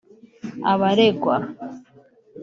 Abaregwa